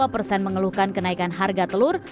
sembilan belas dua persen mengeluhkan kenaikan harga telur